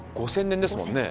５，０００年ですもんね。